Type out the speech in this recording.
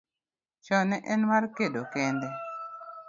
chon ne en mar kedo kende.